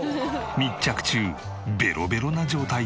密着中ベロベロな状態でも。